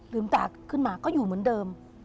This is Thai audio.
ตาขึ้นมาก็อยู่เหมือนเดิม